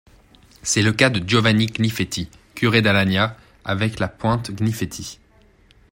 C'est le cas de Giovanni Gnifetti, curé d'Alagna, avec la pointe Gnifetti.